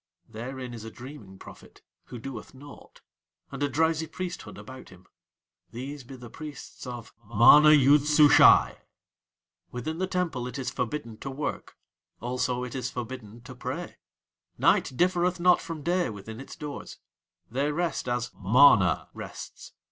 Therein is a dreaming prophet who doeth naught, and a drowsy priesthood about him. These be the priests of MANA YOOD SUSHAI. Within the temple it is forbidden to work, also it is forbidden to pray. Night differeth not from day within its doors. They rest as MANA rests.